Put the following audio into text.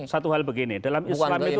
satu hal begini dalam islam itu